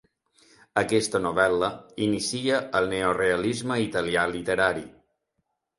Aquesta novel·la inicia el neorealisme italià literari.